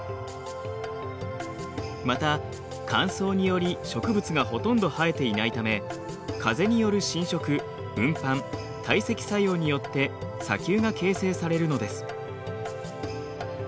また乾燥により植物がほとんど生えていないため風による侵食運搬堆積作用によって砂丘が形成されるのです。